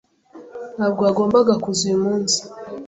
Ntabwo wagombaga kuza uyu munsi.